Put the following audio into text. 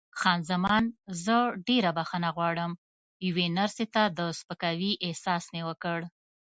خان زمان: زه ډېره بښنه غواړم، یوې نرسې ته د سپکاوي احساس مې وکړ.